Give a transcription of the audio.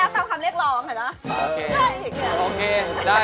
นี่ไงทำให้แล้วตามคำเรียกร้องเห็นหรือ